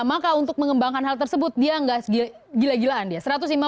maka untuk mengembangkan hal tersebut dia nggak gila gilaan dia